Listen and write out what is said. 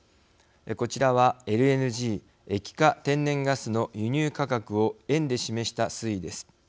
こちらはＬＮＧ＝液化天然ガスの輸入価格を円で示した推移です。